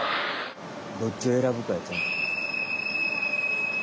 どっちを選ぶかや。